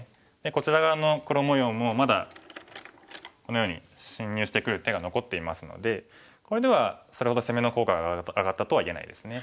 こちら側の黒模様もまだこのように侵入してくる手が残っていますのでこれではそれほど攻めの効果が上がったとは言えないですね。